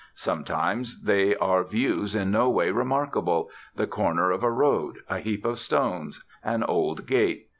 Sometimes they are views in no way remarkable the corner of a road, a heap of stones, an old gate.